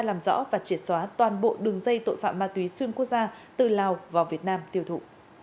làm rõ và triệt xóa toàn bộ đường dây tội phạm ma túy xuyên quốc gia từ lào vào việt nam tiêu thụ